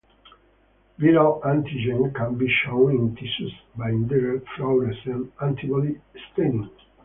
Viral antigen can be shown in tissues by indirect fluorescent antibody staining.